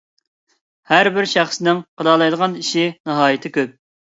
ھەربىر شەخسنىڭ قىلالايدىغان ئىشى ناھايىتى كۆپ.